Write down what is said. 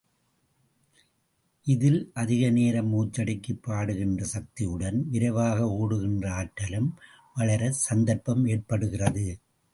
இதில் அதிக நேரம் மூச்சடக்கிப் பாடுகின்ற சக்தியுடன், விரைவாக ஒடுகின்ற ஆற்றலும் வளர சந்தர்ப்பமும் ஏற்படுகிறது.